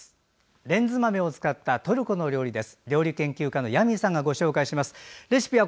レンズ豆を使ったトルコの料理です。